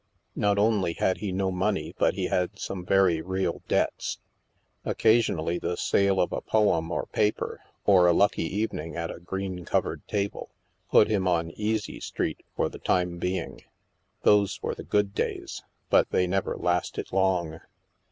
Not only had he no money, but he had some very real debts. Occasionally, the sale of a poem or paper, or a lucky evening at a green covered table, put him on " Easy Street " for the time being. Those were the good days, but they never lasted long.